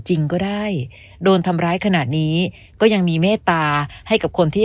จริงก็ได้โดนทำร้ายขนาดนี้ก็ยังมีเมตตาให้กับคนที่